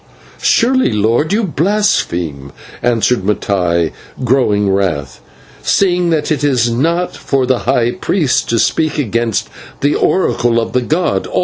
"Surely, lord, you blaspheme," answered Mattai, growing wrath, "seeing that it is not for the high priest to speak against the oracle of the god.